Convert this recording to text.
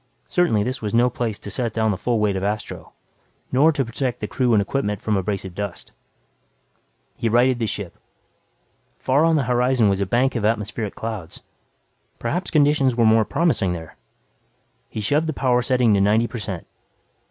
Certainly this was no place to set down the full weight of Astro nor to protect the crew and equipment from abrasive dust. He righted the ship. Far on the horizon was a bank of atmospheric clouds. Perhaps conditions were more promising there. He shoved the power setting to 90 per cent.